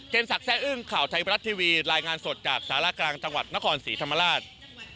สักแซ่อึ้งข่าวไทยบรัฐทีวีรายงานสดจากสารกลางจังหวัดนครศรีธรรมราช